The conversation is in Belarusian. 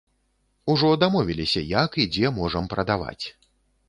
Ужо дамовіліся, як і дзе можам прадаваць.